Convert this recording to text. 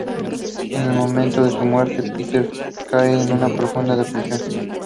En el momento de su muerte Peter cae en una profunda depresión.